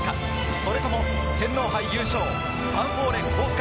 それとも天皇杯優勝・ヴァンフォーレ甲府か。